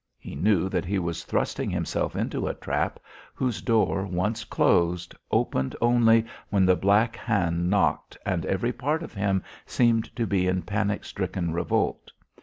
He knew that he was thrusting himself into a trap whose door, once closed, opened only when the black hand knocked and every part of him seemed to be in panic stricken revolt.